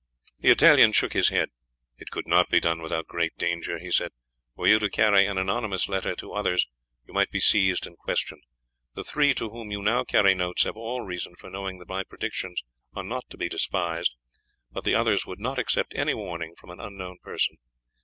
The Italian shook his head. "It could not be done without great danger," he said. "Were you to carry an anonymous letter to others you might be seized and questioned. The three to whom you now carry notes have all reason for knowing that my predictions are not to be despised, but the others would not accept any warning from an unknown person.